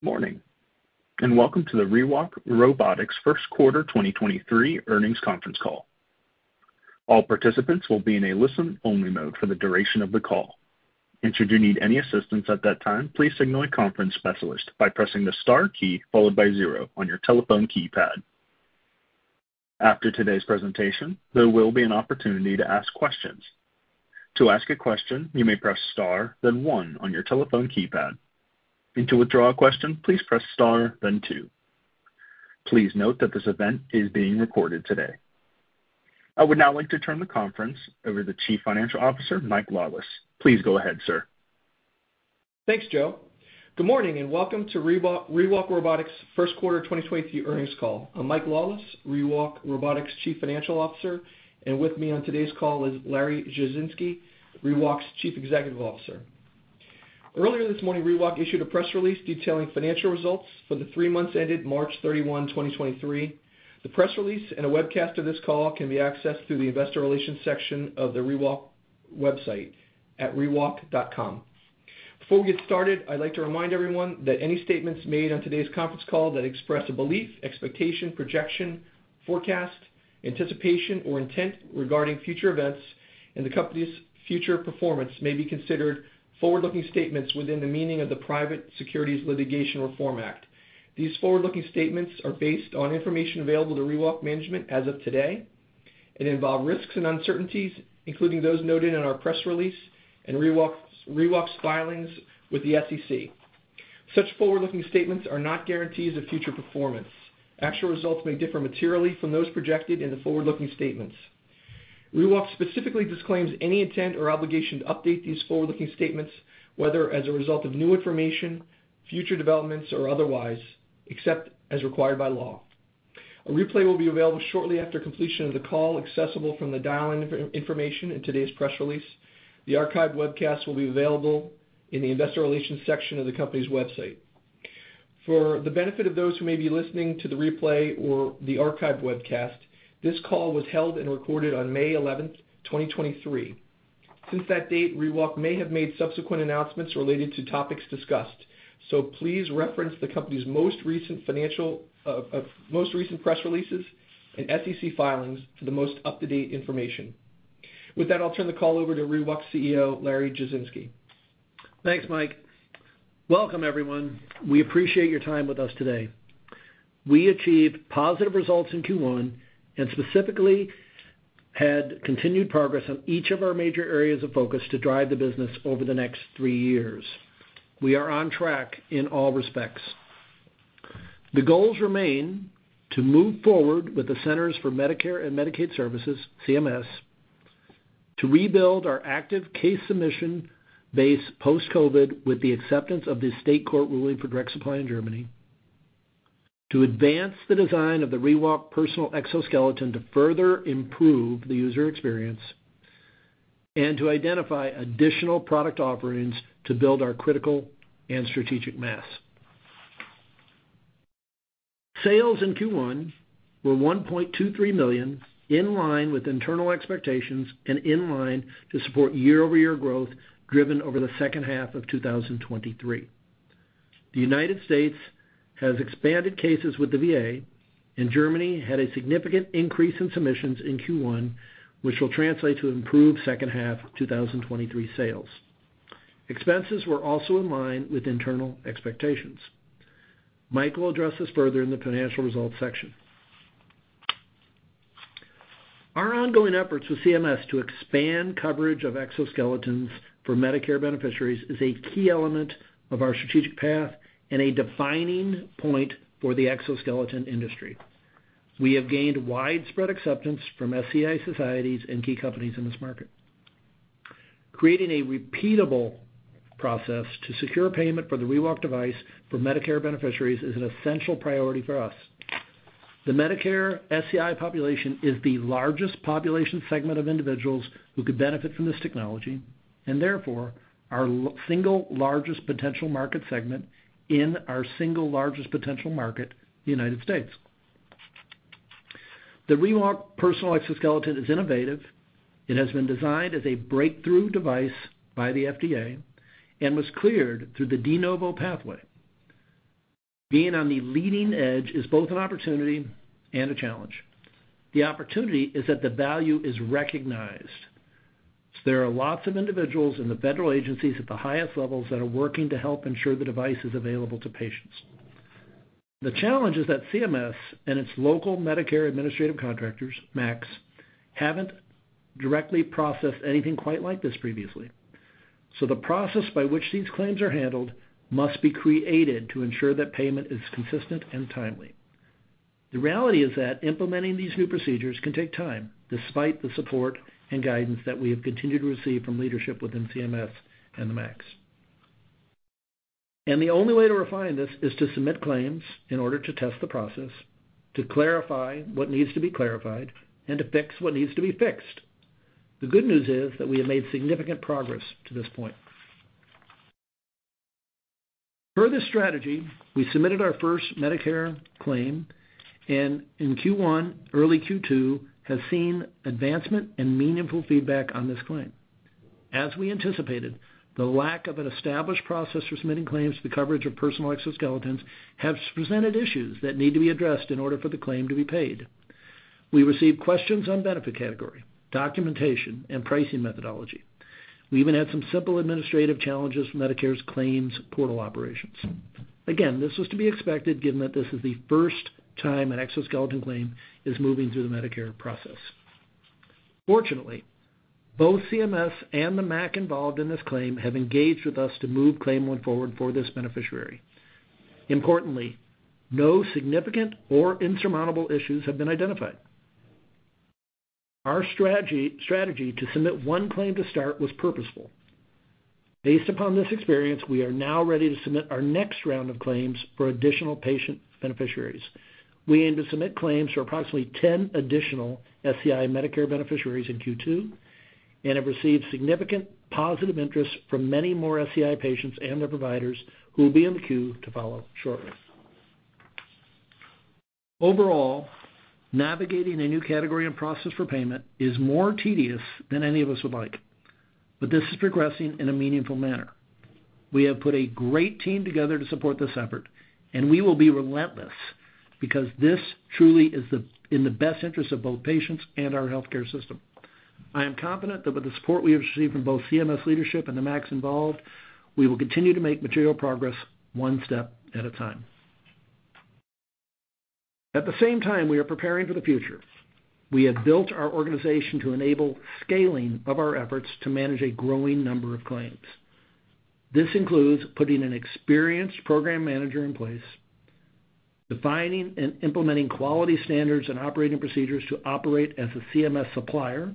Morning, welcome to the ReWalk Robotics First Quarter 2023 Earnings Conference Call. All participants will be in a listen-only mode for the duration of the call. Should you need any assistance at that time, please signal a conference specialist by pressing the star key followed by zero on your telephone keypad. After today's presentation, there will be an opportunity to ask questions. To ask a question, you may press star, then one on your telephone keypad. To withdraw a question, please press star, then two. Please note that this event is being recorded today. I would now like to turn the conference over to Chief Financial Officer, Michael Lawless. Please go ahead, sir. Thanks, Joe. Good morning, and welcome to ReWalk Robotics First Quarter 2023 earnings call. I'm Mike Lawless, ReWalk Robotics Chief Financial Officer, and with me on today's call is Larry Jasinski, ReWalk's Chief Executive Officer. Earlier this morning, ReWalk issued a press release detailing financial results for the three months ended March 31, 2023. The press release and a webcast of this call can be accessed through the investor relations section of the ReWalk website at rewalk.com. Before we get started, I'd like to remind everyone that any statements made on today's conference call that express a belief, expectation, projection, forecast, anticipation, or intent regarding future events and the company's future performance may be considered forward-looking statements within the meaning of the Private Securities Litigation Reform Act. These forward-looking statements are based on information available to ReWalk management as of today, involve risks and uncertainties, including those noted in our press release and ReWalk's filings with the SEC. Such forward-looking statements are not guarantees of future performance. Actual results may differ materially from those projected in the forward-looking statements. ReWalk specifically disclaims any intent or obligation to update these forward-looking statements, whether as a result of new information, future developments, or otherwise, except as required by law. A replay will be available shortly after completion of the call, accessible from the dial-in information in today's press release. The archive webcast will be available in the investor relations section of the company's website. For the benefit of those who may be listening to the replay or the archive webcast, this call was held and recorded on May 11th, 2023. Since that date, ReWalk may have made subsequent announcements related to topics discussed. Please reference the company's most recent press releases and SEC filings for the most up-to-date information. With that, I'll turn the call over to ReWalk's CEO, Larry Jasinski. Thanks, Mike. Welcome, everyone. We appreciate your time with us today. We achieved positive results in Q1, and specifically had continued progress on each of our major areas of focus to drive the business over the next three years. We are on track in all respects. The goals remain to move forward with the Centers for Medicare and Medicaid Services, CMS, to rebuild our active case submission base post-COVID with the acceptance of the state court ruling for direct supply in Germany, to advance the design of the ReWalk Personal Exoskeleton to further improve the user experience, and to identify additional product offerings to build our critical and strategic mass. Sales in Q1 were $1.23 million, in line with internal expectations and in line to support year-over-year growth driven over the second half of 2023. The United States has expanded cases with the VA. Germany had a significant increase in submissions in Q1, which will translate to improved second half 2023 sales. Expenses were also in line with internal expectations. Mike will address this further in the financial results section. Our ongoing efforts with CMS to expand coverage of exoskeletons for Medicare beneficiaries is a key element of our strategic path and a defining point for the exoskeleton industry. We have gained widespread acceptance from SCI societies and key companies in this market. Creating a repeatable process to secure payment for the ReWalk device for Medicare beneficiaries is an essential priority for us. The Medicare SCI population is the largest population segment of individuals who could benefit from this technology. Therefore, our single largest potential market segment in our single largest potential market, the U.S. The ReWalk Personal Exoskeleton is innovative. It has been designed as a breakthrough device by the FDA and was cleared through the De Novo pathway. Being on the leading edge is both an opportunity and a challenge. The opportunity is that the value is recognized. There are lots of individuals in the federal agencies at the highest levels that are working to help ensure the device is available to patients. The challenge is that CMS and its local Medicare Administrative Contractors, MACs, haven't directly processed anything quite like this previously. The process by which these claims are handled must be created to ensure that payment is consistent and timely. The reality is that implementing these new procedures can take time, despite the support and guidance that we have continued to receive from leadership within CMS and the MACs. The only way to refine this is to submit claims in order to test the process, to clarify what needs to be clarified, and to fix what needs to be fixed. The good news is that we have made significant progress to this point. Per this strategy, we submitted our first Medicare claim, and in Q1, early Q2 has seen advancement and meaningful feedback on this claim. As we anticipated, the lack of an established process for submitting claims for the coverage of personal exoskeletons have presented issues that need to be addressed in order for the claim to be paid. We received questions on benefit category, documentation, and pricing methodology. We even had some simple administrative challenges from Medicare's claims portal operations. This was to be expected given that this is the first time an exoskeleton claim is moving through the Medicare process. Fortunately, both CMS and the MAC involved in this claim have engaged with us to move claim one forward for this beneficiary. Importantly, no significant or insurmountable issues have been identified. Our strategy to sumit one claim to start was purposeful. Based upon this experience, we are now ready to submit our next round of claims for additional patient beneficiaries. We aim to submit claims for approximately 10 additional SEI Medicare beneficiaries in Q2, and have received significant positive interest from many more SEI patients and their providers who will be in the queue to follow shortly. Overall, navigating a new category and process for payment is more tedious than any of us would like, but this is progressing in a meaningful manner. We have put a great team together to support this effort, and we will be relentless because this truly is in the best interest of both patients and our healthcare system. I am confident that with the support we have received from both CMS leadership and the MACs involved, we will continue to make material progress one step at a time. At the same time, we are preparing for the future. We have built our organization to enable scaling of our efforts to manage a growing number of claims. This includes putting an experienced program manager in place, defining and implementing quality standards and operating procedures to operate as a CMS supplier,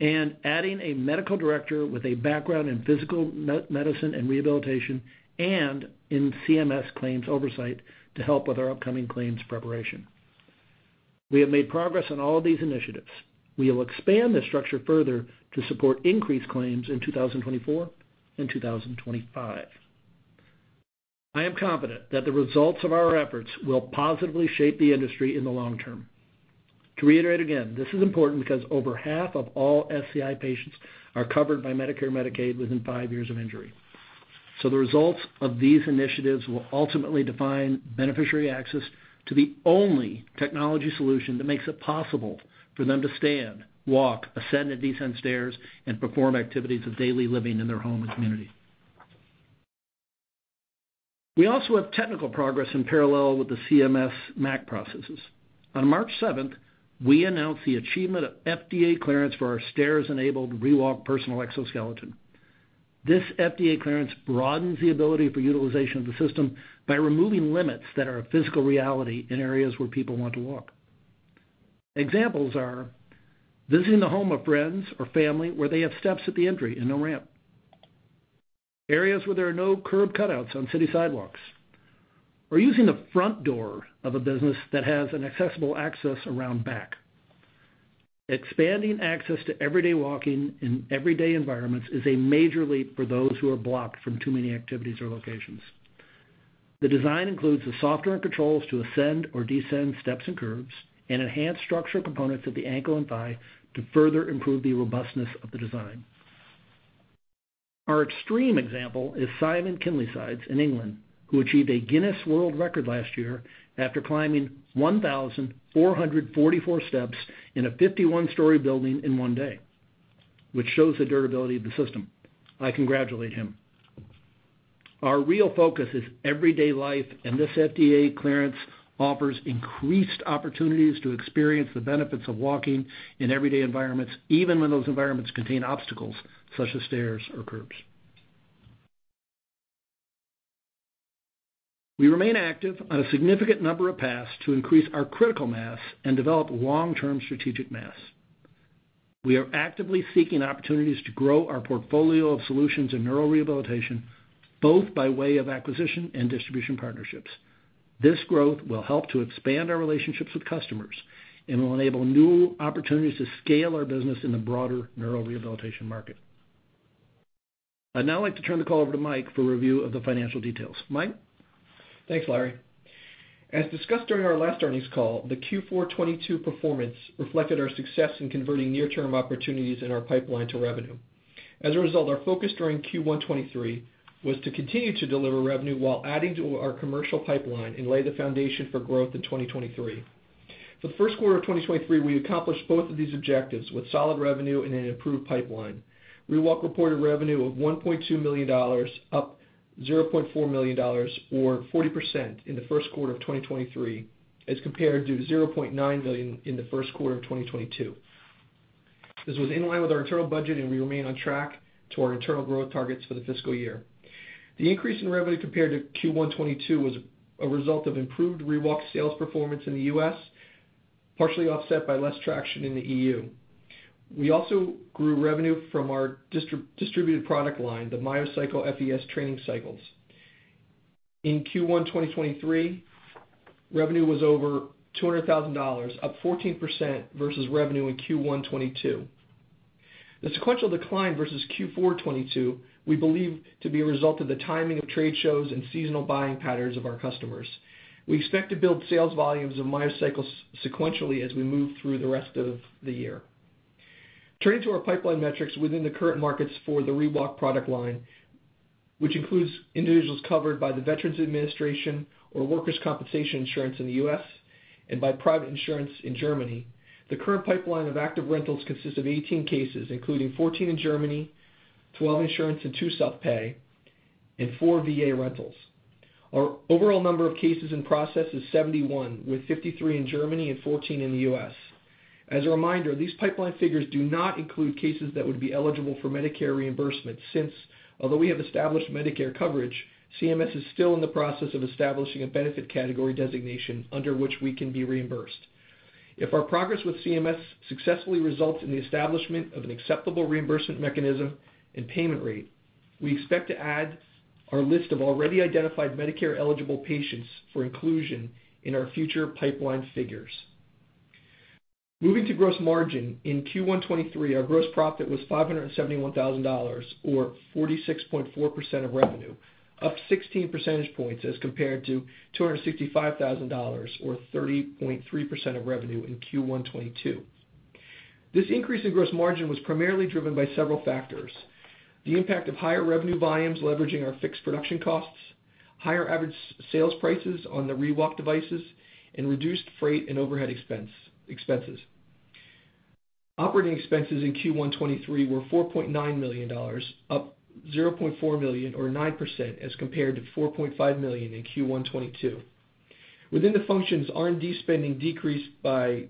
and adding a medical director with a background in physical medicine and rehabilitation and in CMS claims oversight to help with our upcoming claims preparation. We have made progress on all of these initiatives. We will expand this structure further to support increased claims in 2024 and 2025. I am confident that the results of our efforts will positively shape the industry in the long term. To reiterate again, this is important because over half of all SCI patients are covered by Medicare and Medicaid within five years of injury. The results of these initiatives will ultimately define beneficiary access to the only technology solution that makes it possible for them to stand, walk, ascend and descend stairs, and perform activities of daily living in their home and community. We also have technical progress in parallel with the CMS MAC processes. On March 7th, we announced the achievement of FDA clearance for our stairs-enabled ReWalk Personal Exoskeleton. This FDA clearance broadens the ability for utilization of the system by removing limits that are a physical reality in areas where people want to walk. Examples are visiting the home of friends or family where they have steps at the entry and no ramp, areas where there are no curb cutouts on city sidewalks, or using the front door of a business that has an accessible access around back. Expanding access to everyday walking in everyday environments is a major leap for those who are blocked from too many activities or locations. The design includes the software and controls to ascend or descend steps and curbs, and enhanced structural components of the ankle and thigh to further improve the robustness of the design. Our extreme example is Simon Kindleysides in England, who achieved a Guinness World Records last year after climbing 1,444 steps in a 51-story building in one day, which shows the durability of the system. I congratulate him. Our real focus is everyday life, and this FDA clearance offers increased opportunities to experience the benefits of walking in everyday environments, even when those environments contain obstacles such as stairs or curbs. We remain active on a significant number of paths to increase our critical mass and develop long-term strategic mass. We are actively seeking opportunities to grow our portfolio of solutions in neural rehabilitation, both by way of acquisition and distribution partnerships. This growth will help to expand our relationships with customers and will enable new opportunities to scale our business in the broader neural rehabilitation market. I'd now like to turn the call over to Mike for a review of the financial details. Mike? Thanks, Larry. As discussed during our last earnings call, the Q4 2022 performance reflected our success in converting near-term opportunities in our pipeline to revenue. As a result, our focus during Q1 2023 was to continue to deliver revenue while adding to our commercial pipeline and lay the foundation for growth in 2023. For the first quarter of 2023, we accomplished both of these objectives with solid revenue and an improved pipeline. ReWalk reported revenue of $1.2 million, up $0.4 million or 40% in the first quarter of 2023 as compared to $0.9 million in the first quarter of 2022. This was in line with our internal budget, and we remain on track to our internal growth targets for the fiscal year. The increase in revenue compared to Q1 2022 was a result of improved ReWalk sales performance in the U.S., partially offset by less traction in the E.U. We also grew revenue from our distributed product line, the MyoCycle FES training cycles. In Q1 2023, revenue was over $200,000, up 14% versus revenue in Q1 2022. The sequential decline versus Q4 2022 we believe to be a result of the timing of trade shows and seasonal buying patterns of our customers. We expect to build sales volumes of MyoCycles sequentially as we move through the rest of the year. Turning to our pipeline metrics within the current markets for the ReWalk product line, which includes individuals covered by the Veterans Administration or workers' compensation insurance in the U.S. and by private insurance in Germany. The current pipeline of active rentals consists of 18 cases, including 14 in Germany, 12 insurance, and two self-pay, and four VA rentals. Our overall number of cases in process is 71, with 53 in Germany and 14 in the U.S. As a reminder, these pipeline figures do not include cases that would be eligible for Medicare reimbursement since, although we have established Medicare coverage, CMS is still in the process of establishing a benefit category designation under which we can be reimbursed. If our progress with CMS successfully results in the establishment of an acceptable reimbursement mechanism and payment rate, we expect to add our list of already identified Medicare-eligible patients for inclusion in our future pipeline figures. Moving to gross margin. In Q1 2023, our gross profit was $571,000 or 46.4% of revenue, up 16 percentage points as compared to $265,000 or 30.3% of revenue in Q1 2022. This increase in gross margin was primarily driven by several factors: the impact of higher revenue volumes leveraging our fixed production costs, higher average sales prices on the ReWalk devices, and reduced freight overhead expenses. Operating expenses in Q1 2023 were $4.9 million, up $0.4 million or 9% as compared to $4.5 million in Q1 2022. Within the functions, R&D spending decreased by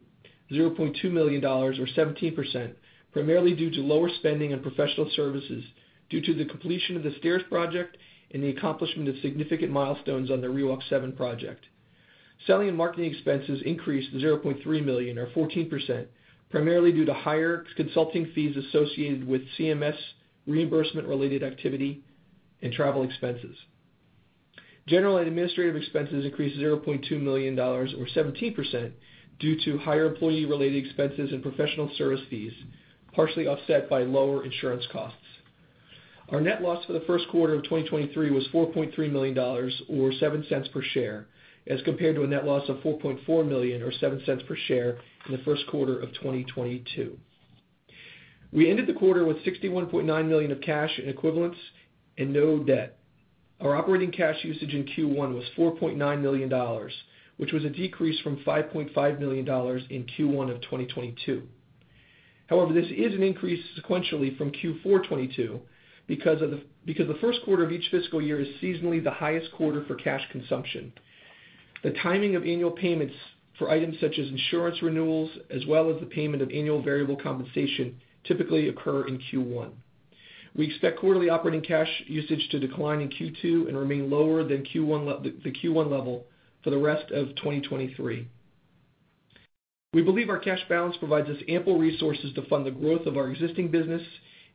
$0.2 million or 17%, primarily due to lower spending on professional services due to the completion of the stairs project and the accomplishment of significant milestones on the ReWalk 7 project. Selling and marketing expenses increased to $0.3 million or 14%, primarily due to higher consulting fees associated with CMS reimbursement-related activity and travel expenses. General and administrative expenses increased $0.2 million or 17% due to higher employee-related expenses and professional service fees, partially offset by lower insurance costs. Our net loss for the first quarter of 2023 was $4.3 million or $0.07 per share, as compared to a net loss of $4.4 million or $0.07 per share in the first quarter of 2022. We ended the quarter with $61.9 million of cash in equivalents and no debt. Our operating cash usage in Q1 was $4.9 million, which was a decrease from $5.5 million in Q1 of 2022. This is an increase sequentially from Q4 2022 because the first quarter of each fiscal year is seasonally the highest quarter for cash consumption. The timing of annual payments for items such as insurance renewals, as well as the payment of annual variable compensation, typically occur in Q1. We expect quarterly operating cash usage to decline in Q2 and remain lower than the Q1 level for the rest of 2023. We believe our cash balance provides us ample resources to fund the growth of our existing business,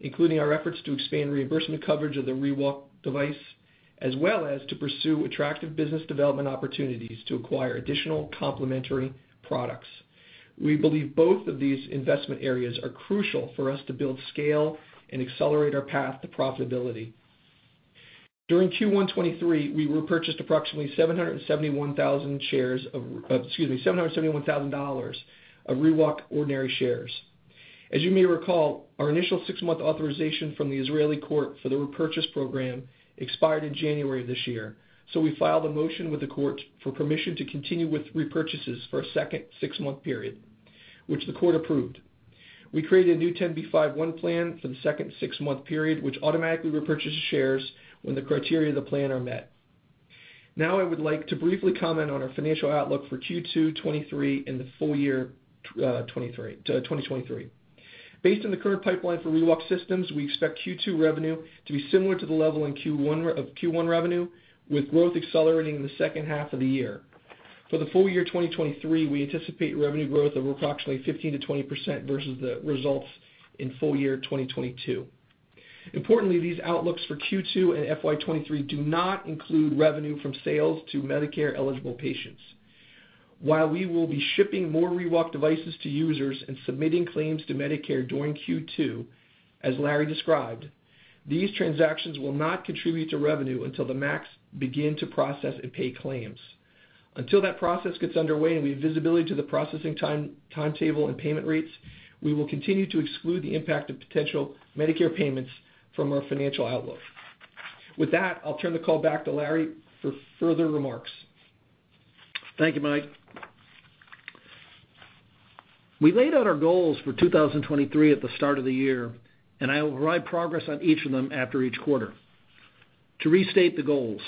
including our efforts to expand reimbursement coverage of the ReWalk device, as well as to pursue attractive business development opportunities to acquire additional complementary products. We believe both of these investment areas are crucial for us to build scale and accelerate our path to profitability. During Q1 2023, we repurchased approximately $771,000 of ReWalk ordinary shares. As you may recall, our initial six-month authorization from the Israeli court for the repurchase program expired in January of this year. We filed a motion with the court for permission to continue with repurchases for a second six-month period, which the court approved. We created a new 10b5-1 plan for the second six-month period, which automatically repurchases shares when the criteria of the plan are met. I would like to briefly comment on our financial outlook for Q2 2023 and the full year 2023. Based on the current pipeline for ReWalk Systems, we expect Q2 revenue to be similar to the level in Q1 of Q1 revenue, with growth accelerating in the second half of the year. For the full year 2023, we anticipate revenue growth of approximately 15%-20% versus the results in full year 2022. Importantly, these outlooks for Q2 and FY 2023 do not include revenue from sales to Medicare-eligible patients. While we will be shipping more ReWalk devices to users and submitting claims to Medicare during Q2, as Larry described, these transactions will not contribute to revenue until the MACs begin to process and pay claims. Until that process gets underway, and we have visibility to the processing time, timetable and payment rates, we will continue to exclude the impact of potential Medicare payments from our financial outlook. With that, I'll turn the call back to Larry for further remarks. Thank you, Mike. We laid out our goals for 2023 at the start of the year, and I override progress on each of them after each quarter. To restate the goals,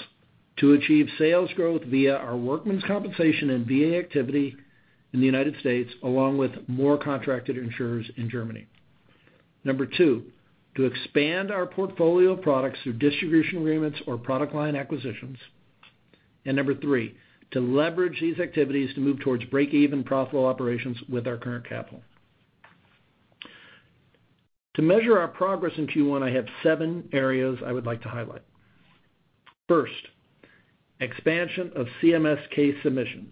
to achieve sales growth via our workers' compensation and VA activity in the United States, along with more contracted insurers in Germany. Number two, to expand our portfolio of products through distribution agreements or product line acquisitions. Number three, to leverage these activities to move towards break-even profitable operations with our current capital. To measure our progress in Q1, I have seven areas I would like to highlight. First, expansion of CMS case submissions.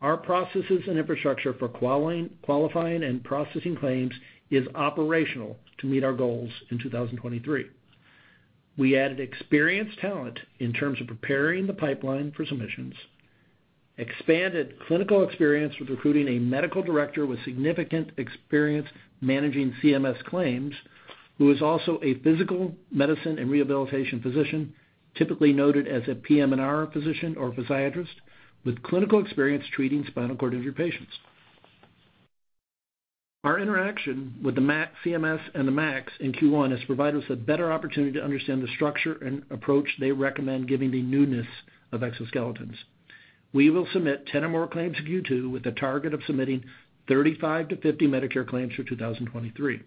Our processes and infrastructure for qualifying and processing claims is operational to meet our goals in 2023. We added experienced talent in terms of preparing the pipeline for submissions, expanded clinical experience with recruiting a medical director with significant experience managing CMS claims, who is also a physical medicine and rehabilitation physician, typically noted as a PM&R physician or physiatrist with clinical experience treating spinal cord injury patients. Our interaction with the CMS and the MACs in Q1 has provided us a better opportunity to understand the structure and approach they recommend giving the newness of exoskeletons. We will submit 10 or more claims in Q2 with a target of submitting 35-50 Medicare claims for 2023.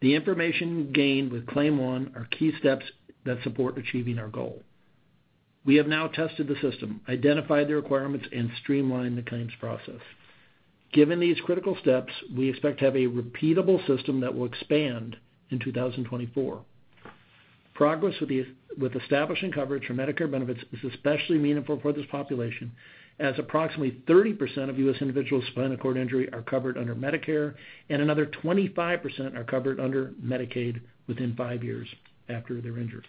The information gained with claim 1 are key steps that support achieving our goal. We have now tested the system, identified the requirements, and streamlined the claims process. Given these critical steps, we expect to have a repeatable system that will expand in 2024. Progress with establishing coverage for Medicare benefits is especially meaningful for this population, as approximately 30% of U.S. individuals spinal cord injury are covered under Medicare, and another 25% are covered under Medicaid within five years after they're injured.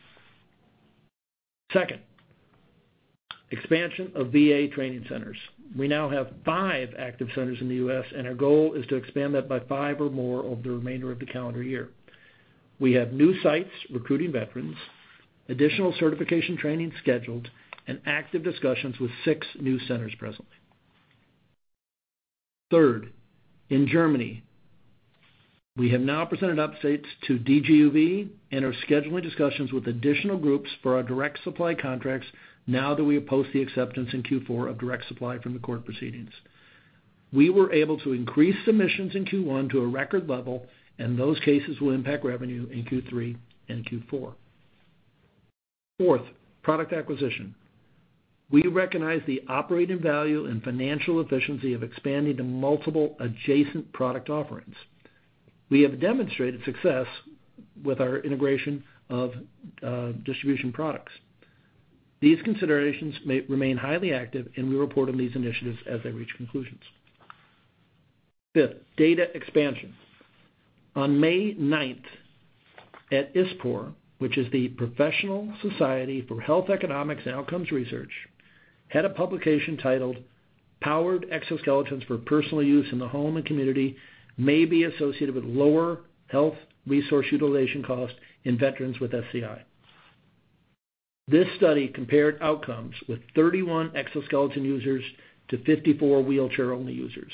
Second, expansion of VA training centers. We now have five active centers in the U.S. Our goal is to expand that by five or more over the remainder of the calendar year. We have new sites recruiting veterans, additional certification training scheduled, and active discussions with six new centers presently. Third, in Germany, we have now presented updates to DGUV and are scheduling discussions with additional groups for our direct supply contracts now that we oppose the acceptance in Q4 of direct supply from the court proceedings. We were able to increase submissions in Q1 to a record level. Those cases will impact revenue in Q3 and Q4. Fourth, product acquisition. We recognize the operating value and financial efficiency of expanding to multiple adjacent product offerings. We have demonstrated success with our integration of distribution products. We report on these initiatives as they reach conclusions. Fifth, data expansion. On May 9th, at ISPOR, which is The Professional Society for Health Economics and Outcomes Research, had a publication titled Powered Exoskeletons for Personal Use in the Home and Community may be associated with lower health resource utilization costs in veterans with SCI. This study compared outcomes with 31 exoskeleton users to 54 wheelchair-only users.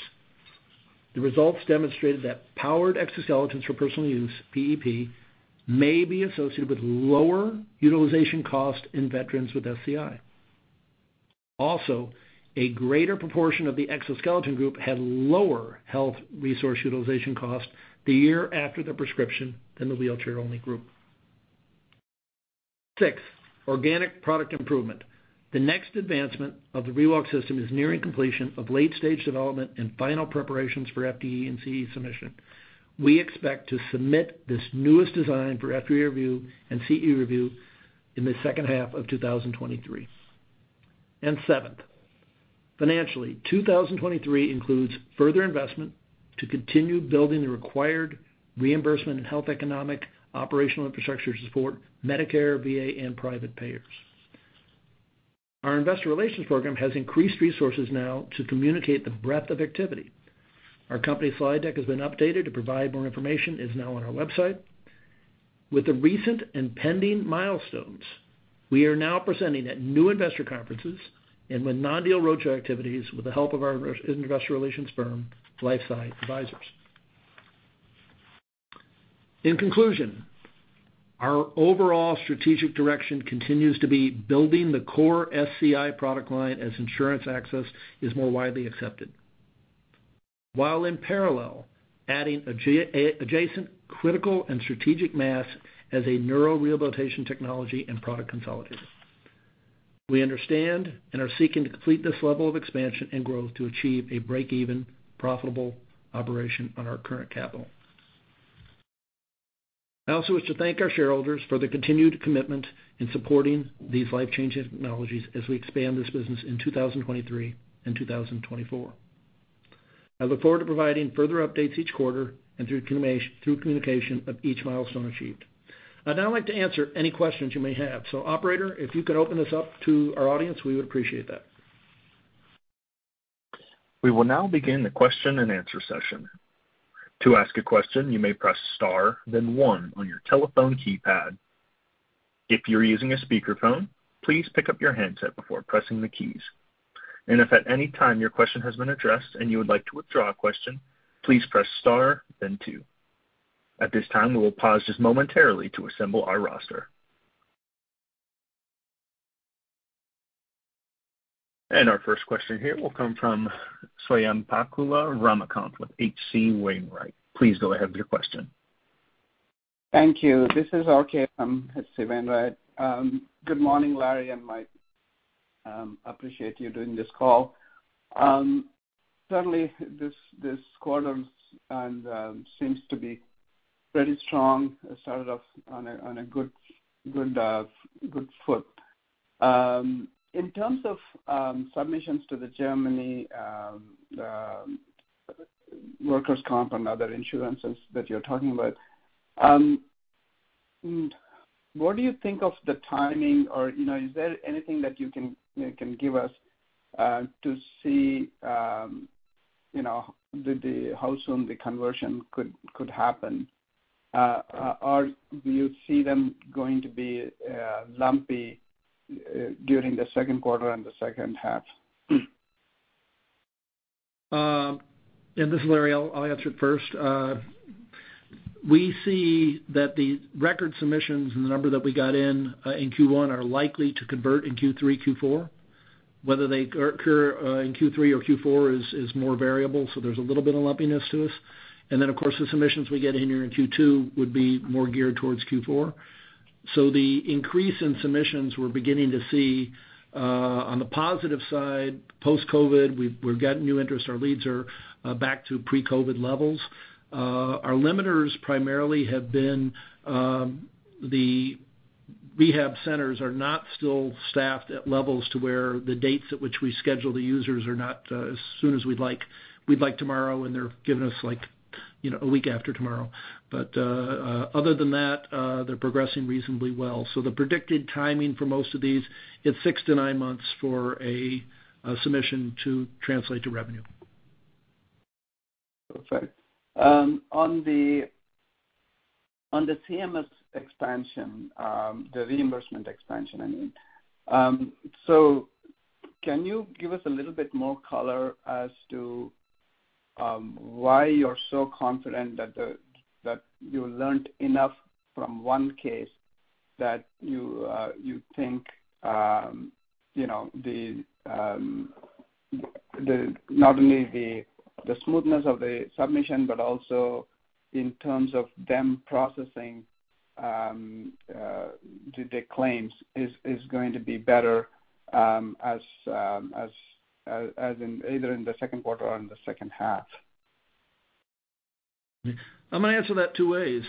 The results demonstrated that powered exoskeletons for personal use, PEP, may be associated with lower utilization costs in veterans with SCI. A greater proportion of the exoskeleton group had lower health resource utilization costs the year after the prescription than the wheelchair-only group. Sixth, organic product improvement. The next advancement of the ReWalk system is nearing completion of late-stage development and final preparations for FDA and CE submission. We expect to submit this newest design for FDA review and CE review in the second half of 2023. Seventh, financially, 2023 includes further investment to continue building the required reimbursement and health economic operational infrastructure support, Medicare, VA, and private payers. Our investor relations program has increased resources now to communicate the breadth of activity. Our company slide deck has been updated to provide more information, is now on our website. With the recent and pending milestones, we are now presenting at new investor conferences and with non-deal roadshow activities with the help of our investor relations firm, LifeSci Advisors. In conclusion, our overall strategic direction continues to be building the core SCI product line as insurance access is more widely accepted, while in parallel, adding adjacent critical and strategic mass as a neuro-rehabilitation technology and product consolidator. We understand and are seeking to complete this level of expansion and growth to achieve a break-even profitable operation on our current capital. I also wish to thank our shareholders for their continued commitment in supporting these life-changing technologies as we expand this business in 2023 and 2024. I look forward to providing further updates each quarter and through communication of each milestone achieved. I'd now like to answer any questions you may have. Operator, if you could open this up to our audience, we would appreciate that. We will now begin the question-and-answer session. To ask a question, you may press star then one on your telephone keypad. If you're using a speakerphone, please pick up your handset before pressing the keys. If at any time your question has been addressed and you would like to withdraw a question, please press star then two. At this time, we will pause just momentarily to assemble our roster. Our first question here will come from Swayampakula Ramakanth with H.C. Wainwright. Please go ahead with your question. Thank you. This is RK from H.C. Wainwright & Co. Good morning, Larry and Mike. Appreciate you doing this call. Certainly this quarter's seems to be pretty strong. It started off on a good foot. In terms of submissions to the Germany workers' comp and other insurances that you're talking about, what do you think of the timing or, you know, is there anything that you can, you know, can give us to see, you know, the how soon the conversion could happen? Do you see them going to be lumpy during the second quarter and the second half? This is Larry. I'll answer it first. We see that the record submissions and the number that we got in Q1 are likely to convert in Q3, Q4. Whether they occur in Q3 or Q4 is more variable, so there's a little bit of lumpiness to this. Of course, the submissions we get in here in Q2 would be more geared towards Q4. The increase in submissions we're beginning to see on the positive side, post-COVID, we've gotten new interest. Our leads are back to pre-COVID levels. Our limiters primarily have been the rehab centers are not still staffed at levels to where the dates at which we schedule the users are not as soon as we'd like. We'd like tomorrow, they're giving us like, you know, a week after tomorrow. Other than that, they're progressing reasonably well. The predicted timing for most of these, it's 6-9 months for a submission to translate to revenue. Perfect. On the CMS expansion, the reimbursement expansion, I mean, can you give us a little bit more color as to why you're so confident that you learned enough from one case that you think, you know, the not only the smoothness of the submission, but also in terms of them processing the claims is going to be better as in either in the second quarter or in the second half? I'm gonna answer that two ways.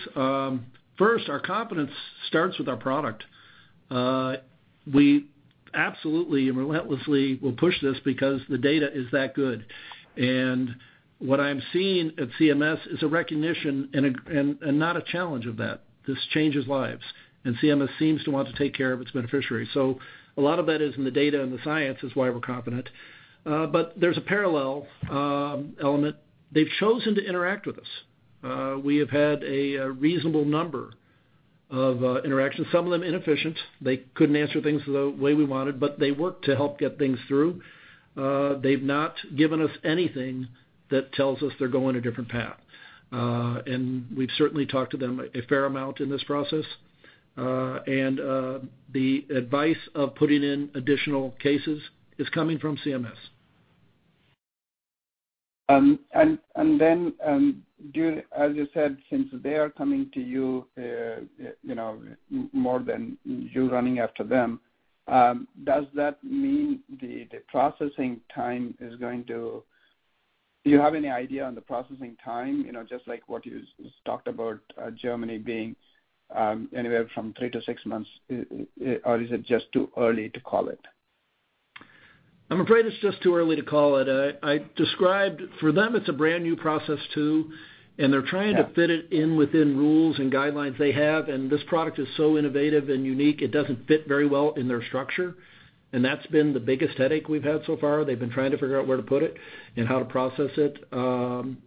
First, our confidence starts with our product. We absolutely and relentlessly will push this because the data is that good. What I'm seeing at CMS is a recognition and not a challenge of that. This changes lives, and CMS seems to want to take care of its beneficiaries. A lot of that is in the data and the science is why we're confident. There's a parallel element. They've chosen to interact with us. We have had a reasonable number of interactions, some of them inefficient. They couldn't answer things the way we wanted, but they worked to help get things through. They've not given us anything that tells us they're going a different path. We've certainly talked to them a fair amount in this process. The advice of putting in additional cases is coming from CMS. As you said, since they are coming to you know, more than you running after them, do you have any idea on the processing time, you know, just like what you just talked about, Germany being anywhere from 3-6 months, or is it just too early to call it? I'm afraid it's just too early to call it. I described for them it's a brand-new process too, and they're trying to fit it in within rules and guidelines they have. This product is so innovative and unique, it doesn't fit very well in their structure. That's been the biggest headache we've had so far. They've been trying to figure out where to put it and how to process it.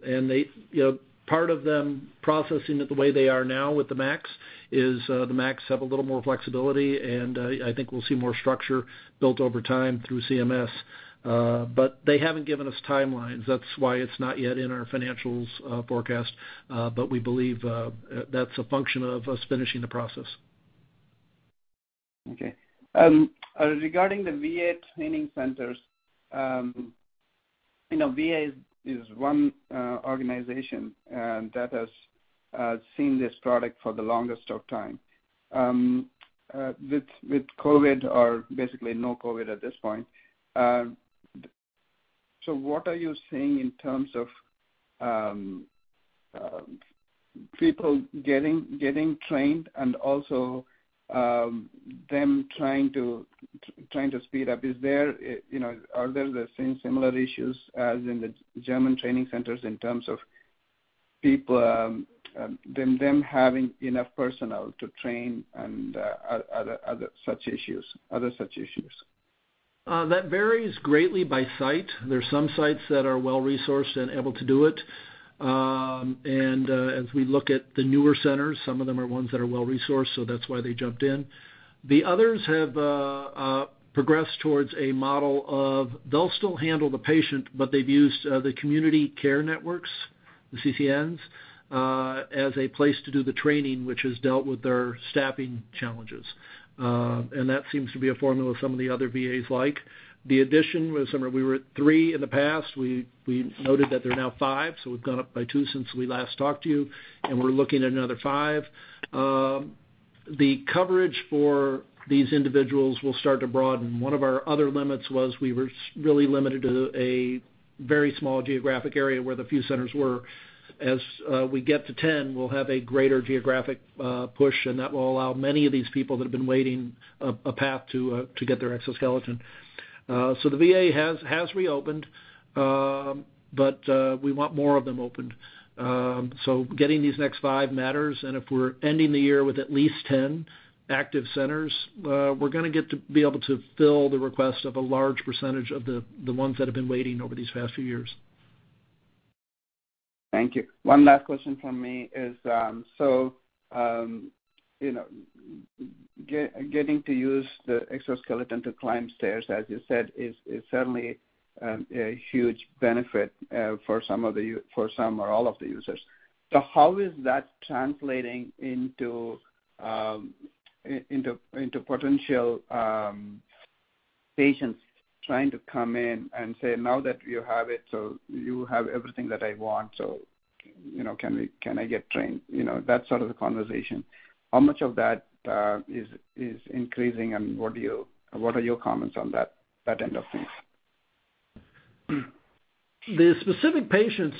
They, you know, part of them processing it the way they are now with the MACs is, the MACs have a little more flexibility, and I think we'll see more structure built over time through CMS. They haven't given us timelines. That's why it's not yet in our financials, forecast. We believe that's a function of us finishing the process. Okay. Regarding the VA training centers, you know, VA is one organization that has seen this product for the longest of time. With COVID or basically no COVID at this point, what are you seeing in terms of people getting trained and also them trying to speed up? Is there, you know, are there the same similar issues as in the German training centers in terms of people having enough personnel to train and other such issues? That varies greatly by site. There's some sites that are well-resourced and able to do it. As we look at the newer centers, some of them are ones that are well-resourced, so that's why they jumped in. The others have progressed towards a model of they'll still handle the patient, but they've used the Community Care Networks, the CCNs, as a place to do the training, which has dealt with their staffing challenges. That seems to be a formula some of the other VAs like. The addition, as some of you were at three in the past, we noted that they're now five, so we've gone up by two since we last talked to you, and we're looking at another five. The coverage for these individuals will start to broaden. One of our other limits was we were really limited to a very small geographic area where the few centers were. As we get to 10, we'll have a greater geographic push, and that will allow many of these people that have been waiting a path to get their exoskeleton. The VA has reopened, but we want more of them opened. Getting these next five matters, and if we're ending the year with at least 10 active centers, we're gonna get to be able to fill the request of a large percentage of the ones that have been waiting over these past few years. Thank you. One last question from me is, you know, getting to use the exoskeleton to climb stairs, as you said, is certainly a huge benefit for some or all of the users. How is that translating into potential patients trying to come in and say, "Now that you have it, so you have everything that I want, so, you know, can I get trained?" You know, that sort of conversation. How much of that is increasing, and what are your comments on that end of things? The specific patients,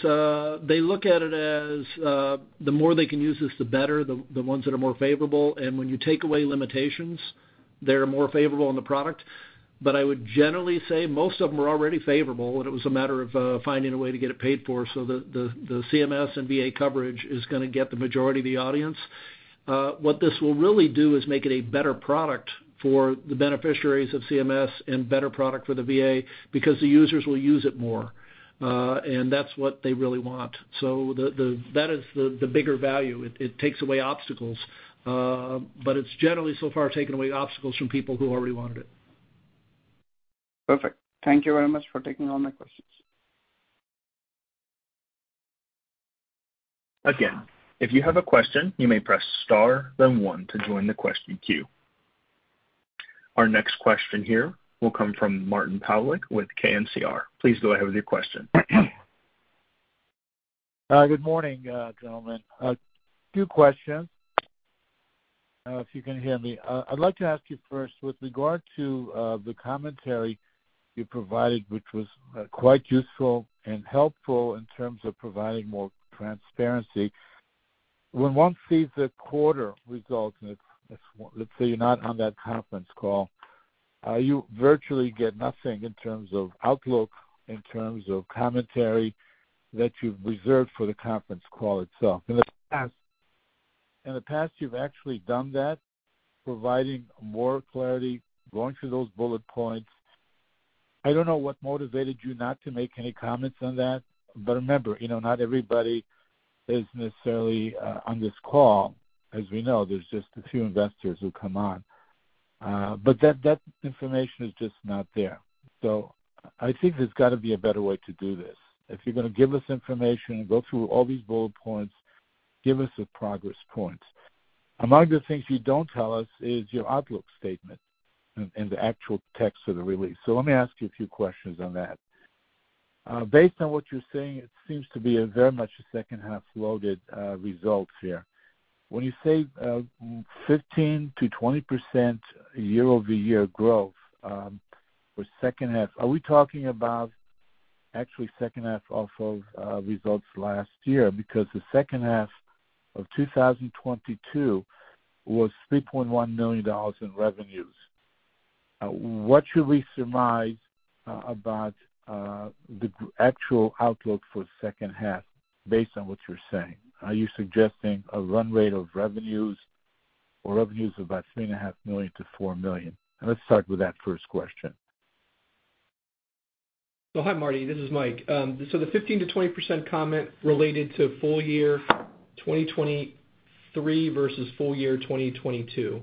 they look at it as, the more they can use this, the better, the ones that are more favorable. When you take away limitations, they're more favorable on the product. I would generally say most of them are already favorable, and it was a matter of finding a way to get it paid for. The CMS and VA coverage is gonna get the majority of the audience. What this will really do is make it a better product for the beneficiaries of CMS and better product for the VA because the users will use it more, and that's what they really want. That is the bigger value. It, it takes away obstacles, but it's generally so far taken away obstacles from people who already wanted it. Perfect. Thank you very much for taking all my questions. Again, if you have a question, you may press star then one to join the question queue. Our next question here will come from Martin Pawlik with KNCR. Please go ahead with your question. Good morning, gentlemen. A few questions, if you can hear me. I'd like to ask you first with regard to the commentary you provided, which was quite useful and helpful in terms of providing more transparency. When one sees the quarter results, if let's say you're not on that conference call, you virtually get nothing in terms of outlook, in terms of commentary that you've reserved for the conference call itself. In the past you've actually done that, providing more clarity, going through those bullet points. I don't know what motivated you not to make any comments on that, remember, you know, not everybody is necessarily on this call. As we know, there's just a few investors who come on. That information is just not there. I think there's gotta be a better way to do this. If you're gonna give us information and go through all these bullet points, give us the progress points. Among the things you don't tell us is your outlook statement and the actual text of the release. Let me ask you a few questions on that. Based on what you're saying, it seems to be a very much a second half loaded results here. When you say 15%-20% year-over-year growth for second half, are we talking about actually second half off of results last year? Because the second half of 2022 was $3.1 million in revenues. What should we surmise about the actual outlook for second half based on what you're saying? Are you suggesting a run rate of revenues or revenues of about three and a half million to $4 million? Let's start with that first question. Hi, Marty. This is Mike. The 15%-20% comment related to full year 2023 versus full year 2022.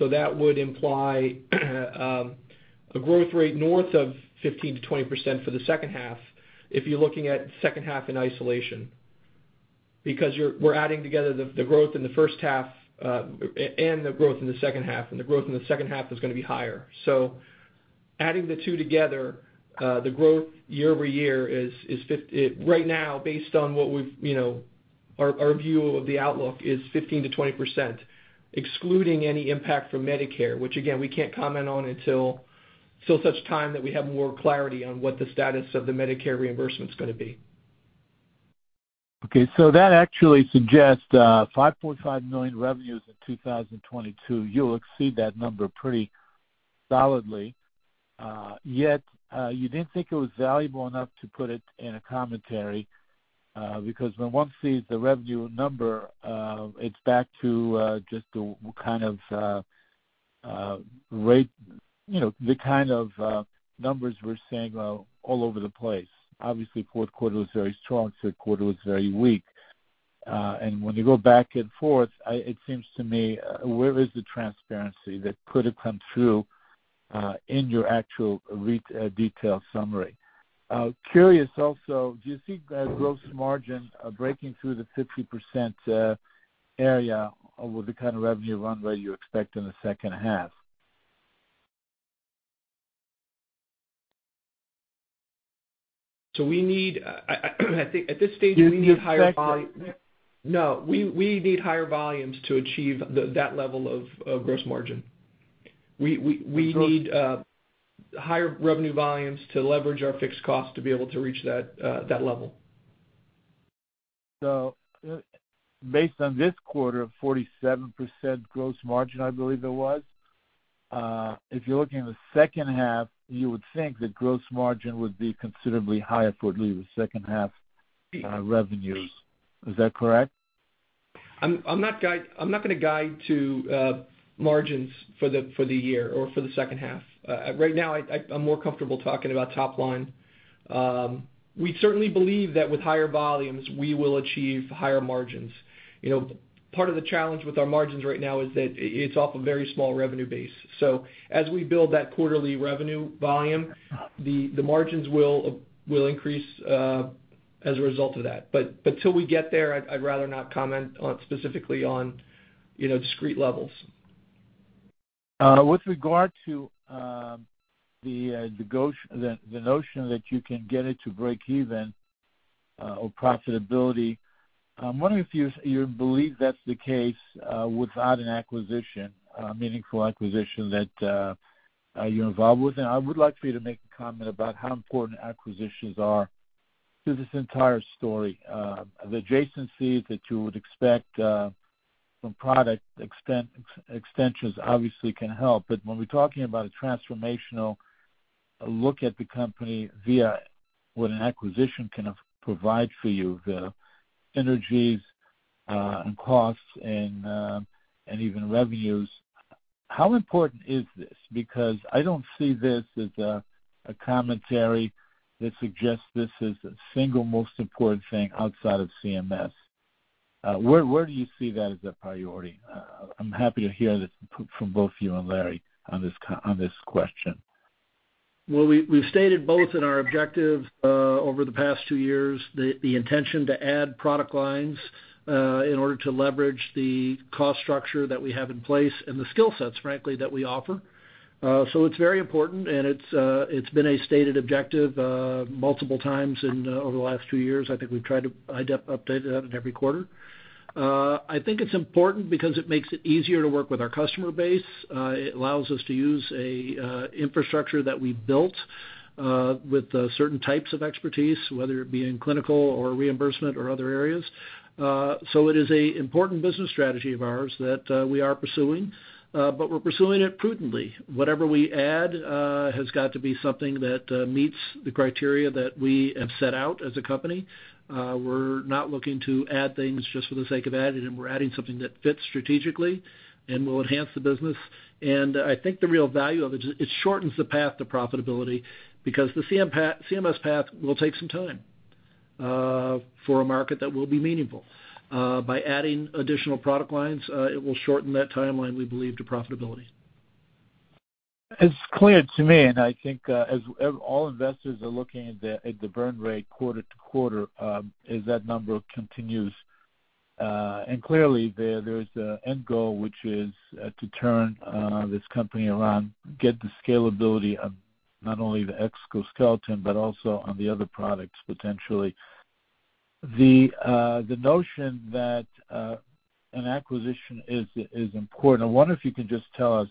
That would imply a growth rate north of 15%-20% for the second half if you're looking at second half in isolation, because we're adding together the growth in the first half and the growth in the second half, and the growth in the second half is gonna be higher. Adding the two together, the growth year-over-year is right now, based on what we've, you know, our view of the outlook is 15%-20%, excluding any impact from Medicare, which again, we can't comment on until such time that we have more clarity on what the status of the Medicare reimbursement is gonna be. That actually suggests $5.5 million revenues in 2022. You'll exceed that number pretty solidly. Yet, you didn't think it was valuable enough to put it in a commentary, because when one sees the revenue number, it's back to just the kind of numbers we're seeing, well, all over the place. Obviously, fourth quarter was very strong, third quarter was very weak. When you go back and forth, I, it seems to me, where is the transparency that could have come through in your actual detail summary? I'm curious also, do you see that gross margin breaking through the 50% area with the kind of revenue runway you expect in the second half? we need, I think at this stage, we need higher. You expect it? No. We need higher volumes to achieve that level of gross margin. We need. So- Higher revenue volumes to leverage our fixed costs to be able to reach that level. Based on this quarter of 47% gross margin, I believe it was, if you're looking at the second half, you would think that gross margin would be considerably higher for at least the second half. Yeah revenues. Is that correct? I'm not gonna guide to margins for the year or for the second half. Right now I'm more comfortable talking about top line. We certainly believe that with higher volumes, we will achieve higher margins. You know, part of the challenge with our margins right now is that it's off a very small revenue base. As we build that quarterly revenue volume, the margins will increase as a result of that. Till we get there, I'd rather not comment on specifically on, you know, discrete levels. With regard to the notion that you can get it to break even or profitability, I'm wondering if you believe that's the case without an acquisition, meaningful acquisition that are you involved with? I would like for you to make a comment about how important acquisitions are to this entire story. The adjacencies that you would expect from product extensions obviously can help. When we're talking about a transformational look at the company via what an acquisition can provide for you, the synergies, and costs and even revenues, how important is this? I don't see this as a commentary that suggests this is the single most important thing outside of CMS. Where do you see that as a priority? I'm happy to hear this from both you and Larry on this question. Well, we've stated both in our objective over the past two years, the intention to add product lines in order to leverage the cost structure that we have in place and the skill sets, frankly, that we offer. It's very important, and it's been a stated objective multiple times in over the last two years. I think we've tried to update that in every quarter. I think it's important because it makes it easier to work with our customer base. It allows us to use an infrastructure that we built with certain types of expertise, whether it be in clinical or reimbursement or other areas. It is an important business strategy of ours that we are pursuing, but we're pursuing it prudently. Whatever we add has got to be something that meets the criteria that we have set out as a company. We're not looking to add things just for the sake of adding them. We're adding something that fits strategically and will enhance the business. I think the real value of it is it shortens the path to profitability because the CMS path will take some time for a market that will be meaningful. By adding additional product lines, it will shorten that timeline, we believe, to profitability. It's clear to me, and I think, as all investors are looking at the burn rate quarter-to-quarter, as that number continues. Clearly, there's a end goal, which is to turn this company around, get the scalability of not only the exoskeleton, but also on the other products, potentially. The notion that an acquisition is important. I wonder if you could just tell us,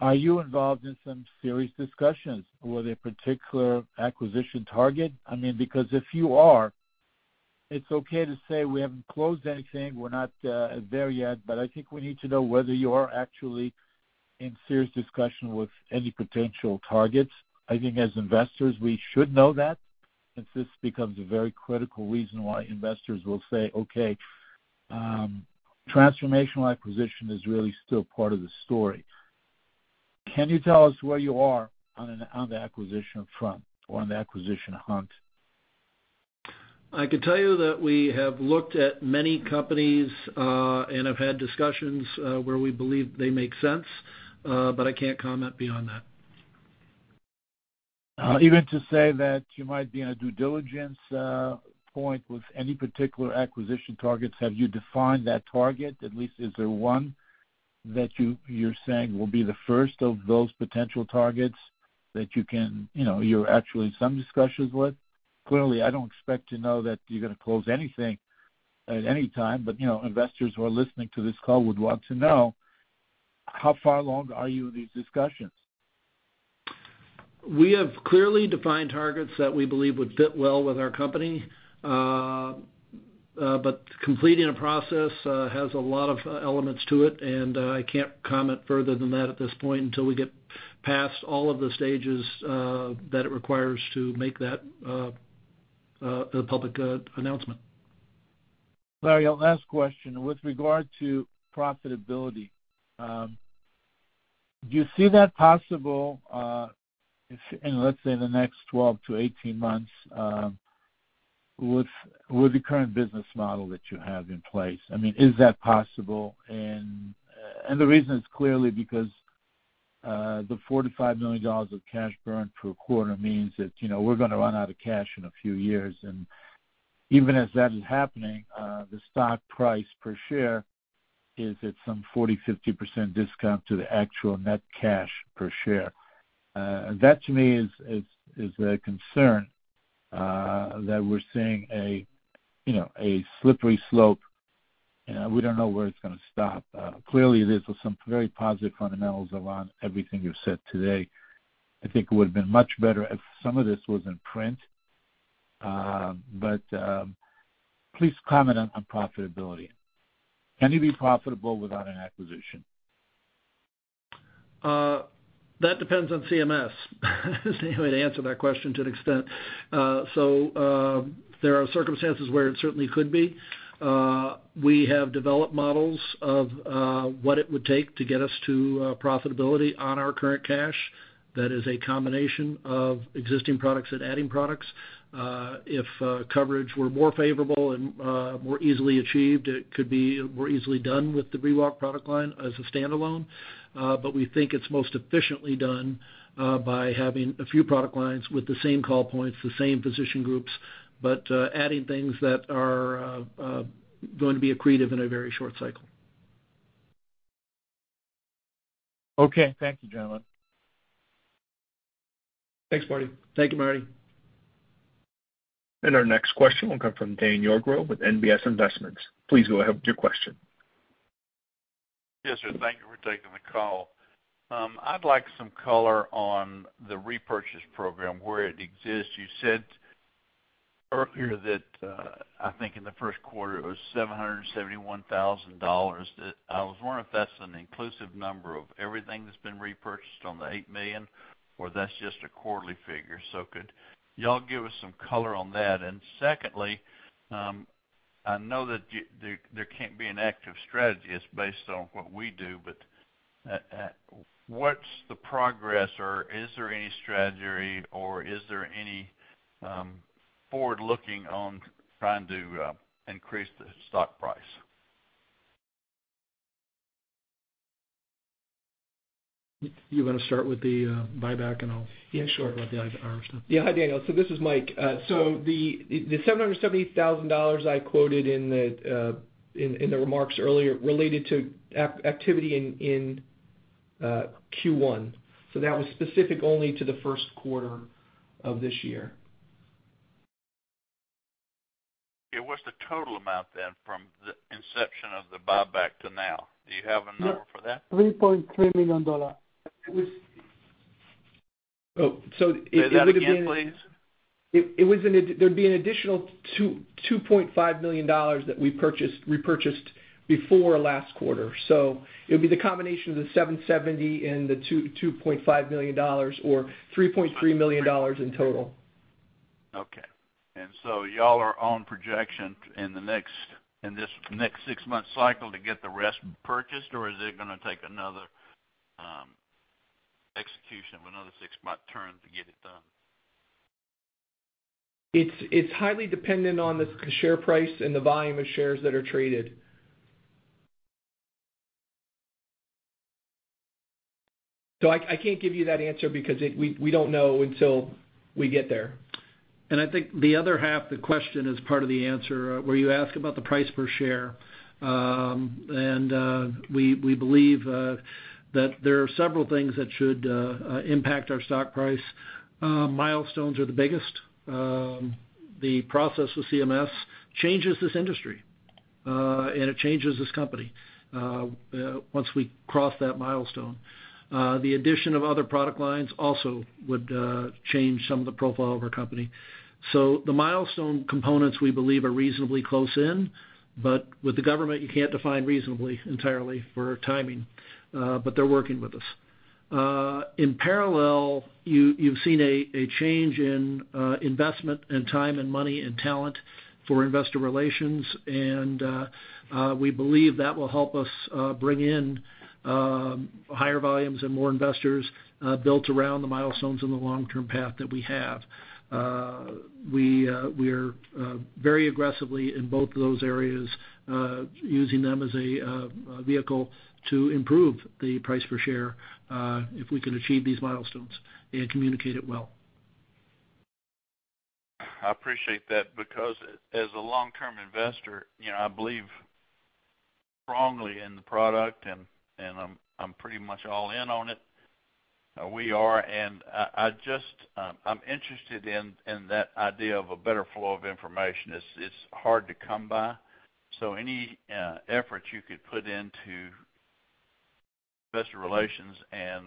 are you involved in some serious discussions with a particular acquisition target? I mean, because if you are, it's okay to say we haven't closed anything, we're not there yet, but I think we need to know whether you are actually in serious discussion with any potential targets. I think as investors, we should know that, since this becomes a very critical reason why investors will say, okay, transformational acquisition is really still part of the story. Can you tell us where you are on the acquisition front or on the acquisition hunt? I can tell you that we have looked at many companies, and have had discussions, where we believe they make sense. I can't comment beyond that. Even to say that you might be in a due diligence point with any particular acquisition targets, have you defined that target? At least is there one that you're saying will be the first of those potential targets that you can, you know, you're actually in some discussions with? Clearly, I don't expect to know that you're gonna close anything at any time, but, you know, investors who are listening to this call would want to know how far along are you in these discussions? We have clearly defined targets that we believe would fit well with our company. Completing a process has a lot of elements to it, and I can't comment further than that at this point until we get past all of the stages that it requires to make that a public announcement. Larry, last question. With regard to profitability, do you see that possible, if in, let's say, the next 12-18 months, with the current business model that you have in place? I mean, is that possible? The reason is clearly because the $45 million of cash burn per quarter means that, you know, we're gonna run out of cash in a few years. Even as that is happening, the stock price per share is it some 40%, 50% discount to the actual net cash per share? That to me is a concern that we're seeing a, you know, a slippery slope, and we don't know where it's gonna stop. Clearly, this was some very positive fundamentals around everything you've said today. I think it would've been much better if some of this was in print. Please comment on profitability. Can you be profitable without an acquisition? That depends on CMS is the way to answer that question to an extent. There are circumstances where it certainly could be. We have developed models of what it would take to get us to profitability on our current cash. That is a combination of existing products and adding products. If coverage were more favorable and more easily achieved, it could be more easily done with the ReWalk product line as a standalone. We think it's most efficiently done by having a few product lines with the same call points, the same physician groups, but adding things that are going to be accretive in a very short cycle. Okay. Thank you, John. Thanks, Marty. Thank you, Marty. Our next question will come from with NBS Investments. Please go ahead with your question. Yes, sir. Thank you for taking the call. I'd like some color on the repurchase program where it exists. You said earlier that, I think in the first quarter it was $771,000. That I was wondering if that's an inclusive number of everything that's been repurchased on the $8 million, or that's just a quarterly figure. Could y'all give us some color on that? Secondly, I know that you there can't be an active strategy. It's based on what we do. What's the progress or is there any strategy or is there any forward looking on trying to increase the stock price? You wanna start with the buyback and. Yeah, sure. talk about the other item. Yeah. Hi, Daniel. This is Mike. The $770,000 I quoted in the remarks earlier related to activity in Q1. That was specific only to the first quarter of this year. Yeah. What's the total amount then from the inception of the buyback to now? Do you have a number for that? $3.3 million. It was... Oh, so. Say that again, please. It was an additional $2.5 million that we repurchased before last quarter. It would be the combination of the $0.77 million and the $2.5 million or $3.3 million in total. Okay. y'all are on projection in this next six-month cycle to get the rest purchased, or is it gonna take another execution of another six-month term to get it done? It's highly dependent on the share price and the volume of shares that are traded. I can't give you that answer because we don't know until we get there. I think the other half the question is part of the answer, where you ask about the price per share. We believe that there are several things that should impact our stock price. Milestones are the biggest. The process with CMS changes this industry, and it changes this company, once we cross that milestone. The addition of other product lines also would change some of the profile of our company. The milestone components we believe are reasonably close in, but with the government, you can't define reasonably entirely for timing, but they're working with us. In parallel, you've seen a change in investment and time and money and talent for investor relations, and we believe that will help us bring in higher volumes and more investors, built around the milestones and the long-term path that we have. We're very aggressively in both of those areas, using them as a vehicle to improve the price per share, if we can achieve these milestones and communicate it well. I appreciate that because as a long-term investor, you know, I believe strongly in the product and I'm pretty much all in on it. We are, and I just, I'm interested in that idea of a better flow of information. It's hard to come by. Any effort you could put into investor relations and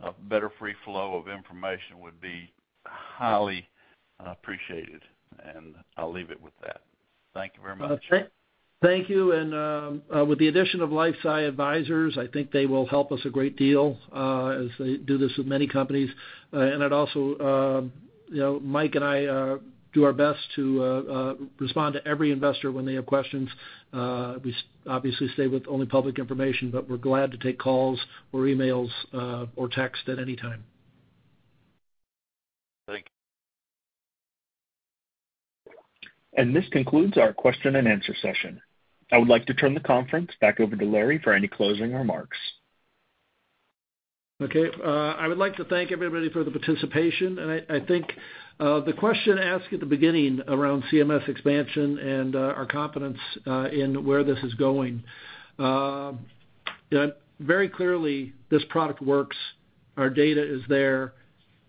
a better free flow of information would be highly appreciated. I'll leave it with that. Thank you very much. Okay. Thank you, and with the addition of LifeSci Advisors, I think they will help us a great deal, as they do this with many companies. I'd also, you know, Mike and I do our best to respond to every investor when they have questions. We obviously stay with only public information, but we're glad to take calls or emails, or text at any time. Thank you. This concludes our question and answer session. I would like to turn the conference back over to Larry for any closing remarks. Okay. I think the question asked at the beginning around CMS expansion and our confidence in where this is going. Very clearly this product works, our data is there,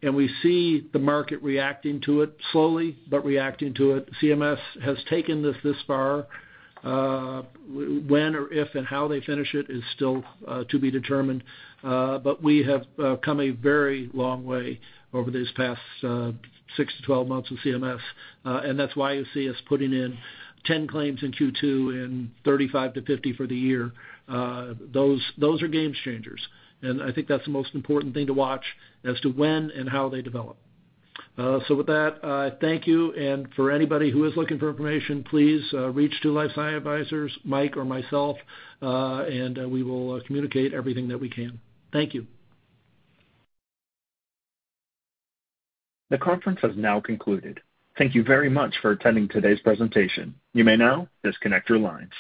and we see the market reacting to it slowly but reacting to it. CMS has taken this this far. When or if and how they finish it is still to be determined. But we have come a very long way over these past 6-12 months with CMS. That's why you see us putting in 10 claims in Q2 and 35-50 for the year. Those are game changers. And I think that's the most important thing to watch as to when and how they develop. With that, thank you. For anybody who is looking for information, please reach to LifeSci Advisors, Mike or myself, and we will communicate everything that we can. Thank you. The conference has now concluded. Thank you very much for attending today's presentation. You may now disconnect your lines.